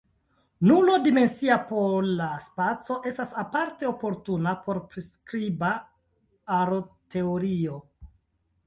Nulo-dimensia pola spaco estas aparte oportuna por priskriba aroteorio.